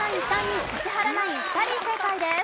３人石原ナイン２人正解です。